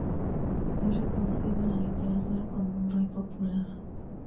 Es reconocido en la literatura como un rey popular.